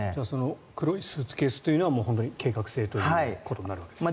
黒いスーツケースというのは計画性ということになるわけですね。